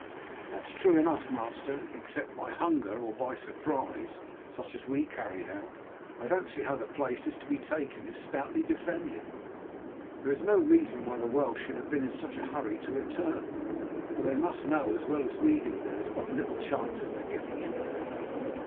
"That is true enough, master; except by hunger or by a surprise, such as we carried out, I don't see how the place is to be taken if stoutly defended. There is no reason why the Welsh should have been in such a hurry to return, for they must know as well as we do that there is but little chance of their getting in again.